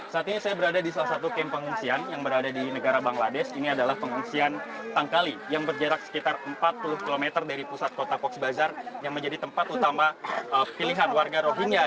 ketika mereka berada di kota cox's bazar mereka menjadi tempat utama pilihan warga rohingya